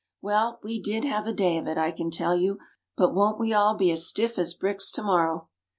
"Well, we did have a day of it, I can tell you but won't we all be as stiff as bricks to morrow!"